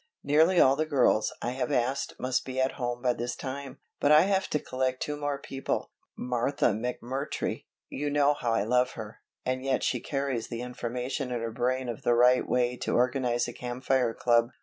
Nearly all the girls I have asked must be at home by this time, but I have to collect two more people, Martha McMurtry you know how I love her and yet she carries the information in her brain of the right way to organize a Camp Fire club.